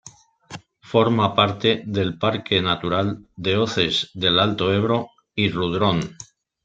Forma parte del Parque natural de Hoces del Alto Ebro y Rudrón.